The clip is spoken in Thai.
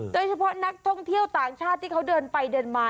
โดยเฉพาะนักท่องเที่ยวต่างชาติที่เขาเดินไปเดินมา